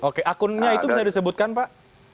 oke akunnya itu bisa disebutkan pak